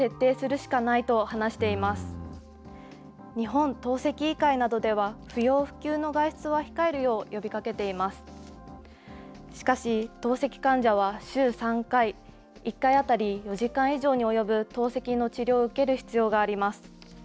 しかし、透析患者は週３回、１回当たり４時間以上に及ぶ透析の治療を受ける必要があります。